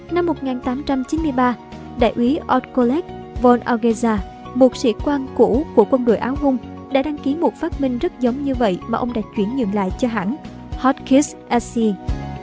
năm một nghìn tám trăm chín mươi ba đại úy ord kolek von orgeza một sĩ quan cũ của quân đội áo hung đã đăng ký một phát minh rất giống như vậy mà ông đã chuyển nhượng lại cho hãng hotkiss sc